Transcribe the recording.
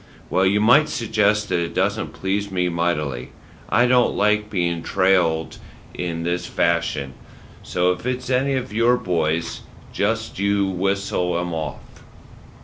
"Well, you might suggest that it doesn't please me mightily. I don't like being trailed in this fashion, so if it's any of your boys just you whistle 'em off."